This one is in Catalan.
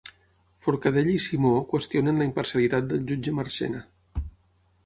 Forcadell i Simó qüestionen la imparcialitat del jutge Marchena